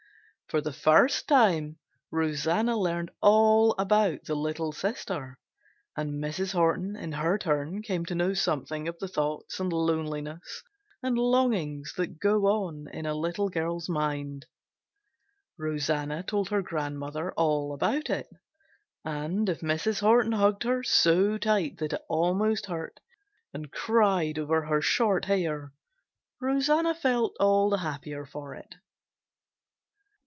For the first time Rosanna learned all about the little sister, and Mrs. Horton in her turn came to know something of the thoughts and loneliness and longings that go on in a little girl's mind. Rosanna told her grandmother all about it, and if Mrs. Horton hugged her so tight that it almost hurt and cried over her short hair, Rosanna felt all the happier for it.